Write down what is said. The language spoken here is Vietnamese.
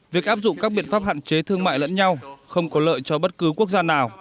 việc áp dụng các biện pháp hạn chế thương mại lẫn nhau không có lợi cho bất cứ quốc gia nào